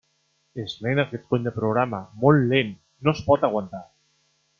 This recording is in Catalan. És lent aquest cony de programa, molt lent, no es pot aguantar!